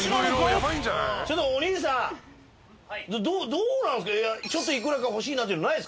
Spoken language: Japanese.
どうなんですか？に来て。